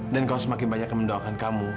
dan kalau semakin banyak yang mendoakan kamu